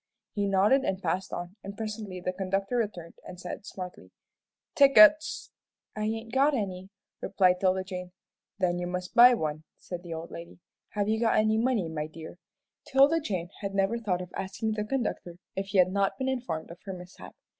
He nodded and passed on, and presently the conductor returned and said, smartly, "Tickets!" "I ain't got any," replied 'Tilda Jane. "Then you must buy one," said the old lady; "have you got any money, my dear?" 'Tilda Jane never thought of asking the conductor if he had not been informed of her mishap.